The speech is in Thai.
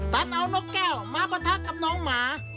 ดันเอานกแก้วมาปะทะกับน้องหมา